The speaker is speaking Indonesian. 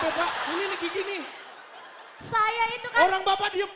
kita mungkin akan menyukai orang lain